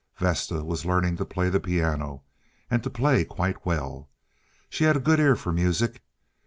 Vesta was learning to play the piano, and to play quite well. She had a good ear for music.